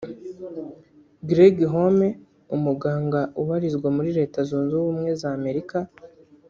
Gregg Home umuganga ubarizwa muri Leta Zunze Ubumwe za Amerika